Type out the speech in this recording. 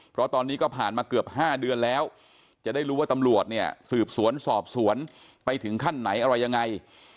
เพราะตอนนี้ก็ผ่านมาเกือบ๕เดือนแล้วจะได้รู้ว่าตำรวจเนี่ยสืบสวนสอบสวนไปถึงขั้นไหนอะไรยังไง